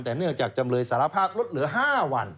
แต่เนื่องจากจำเลยสารภาพลดเหลือ๕วัน